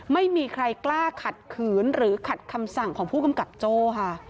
ไม่มีใครกล้าขัดขืนหรือขัดคำสั่งของผู้กำกับโจ้ค่ะ